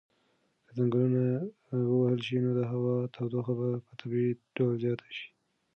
که ځنګلونه ووهل شي نو د هوا تودوخه به په طبیعي ډول زیاته شي.